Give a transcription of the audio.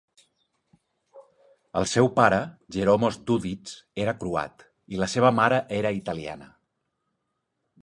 El seu pare, Jeromos Dudits, era croat, i la seva mare era italiana.